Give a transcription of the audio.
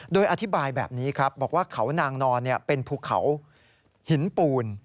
โดยอธิบายแบบนี้ครับบอกว่าเขานางนอนเป็นภูเขาหินปูน